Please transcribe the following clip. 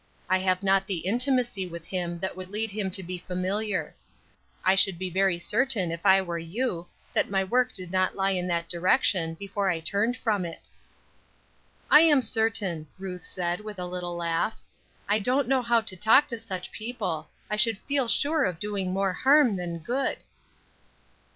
I have not the intimacy with him that would lead him to be familiar. I should be very certain, if I were you, that my work did not lie in that direction before I turned from it." "I am certain," Ruth said, with a little laugh. "I don't know how to talk to such people. I should feel sure of doing more harm than good."